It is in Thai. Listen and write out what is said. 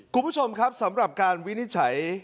คุณผู้ชมครับสำหรับการวินิจฉัย